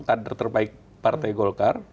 kader terbaik partai golkar